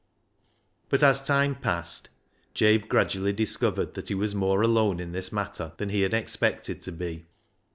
But as time passed, Jabe gradually discovered that he was more alone in this matter than he had expected to be.